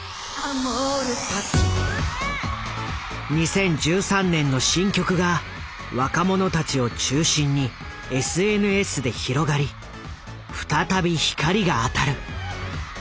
２０１３年の新曲が若者たちを中心にＳＮＳで広がり再び光が当たる。